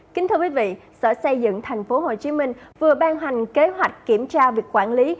kính thưa quý vị sở xây dựng tp hcm vừa ban hành kế hoạch kiểm tra việc quản lý